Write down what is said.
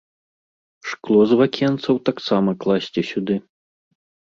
Шкло з вакенцаў таксама класці сюды.